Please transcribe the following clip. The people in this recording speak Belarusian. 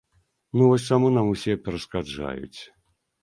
Ну вось чаму нам усе перашкаджаюць?